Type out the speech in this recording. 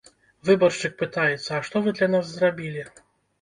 Выбаршчык пытаецца, а што вы для нас зрабілі?